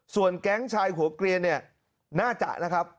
ส่วนแก๊งชายหัวเกลียนเนี่ยน่าจะนะครับ